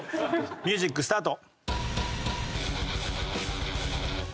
ミュージックスタート。